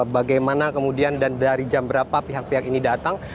bagaimana kemudian dan dari jam berapa pihak pihak ini datang